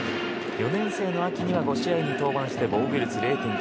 ４年生の秋には５試合に登板し防御率０．９８。